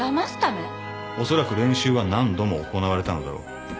恐らく練習は何度も行われたのだろう。